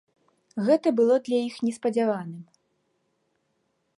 Гэта было для іх неспадзяваным.